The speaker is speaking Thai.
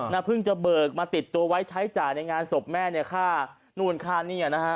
เพิ่งจะเบิกมาติดตัวไว้ใช้จ่ายในงานศพแม่เนี่ยค่านู่นค่านี่นะฮะ